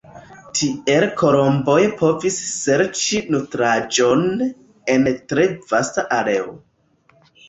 Tiel kolomboj povis serĉi nutraĵon en tre vasta areo.